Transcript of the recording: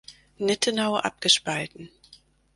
Nittenau abgespalten.